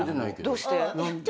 ・どうして？